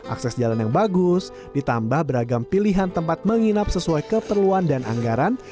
akses jalan yang bagus ditambah beragam pilihan tempat menginap sesuai keperluan dan anggaran